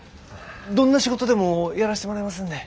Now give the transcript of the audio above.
どんな仕事でもやらしてもらいますんで。